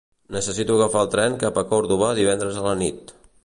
Necessito agafar el tren cap a Córdoba divendres a la nit.